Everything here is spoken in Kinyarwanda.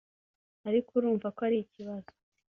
ariko urumva ko ari ikibazo